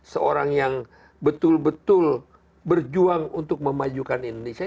seorang yang betul betul berjuang untuk memajukan indonesia